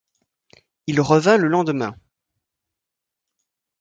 Il revint le lendemain.